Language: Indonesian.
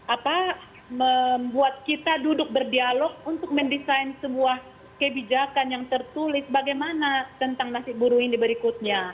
apa membuat kita duduk berdialog untuk mendesain sebuah kebijakan yang tertulis bagaimana tentang nasib buruh ini berikutnya